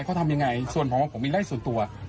เขาทำยังไงส่วนผมว่าผมมีไล่ส่วนตัว